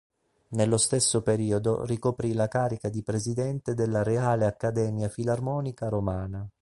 Nello stesso periodo ricoprì la carica di presidente della Reale Accademia Filarmonica Romana.